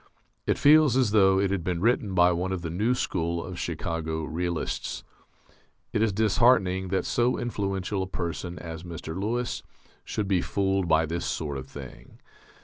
It feels as though it had been written by one of the new school of Chicago realists. It is disheartening that so influential a person as Mr. Lewis should be fooled by this sort of thing.